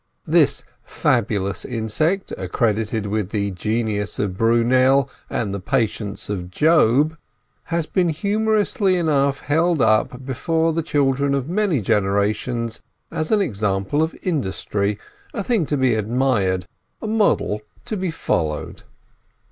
This fabulous insect, accredited with the genius of Brunel and the patience of Job, has been humorously enough held up before the children of many generations as an example of industry—a thing to be admired, a model to be followed.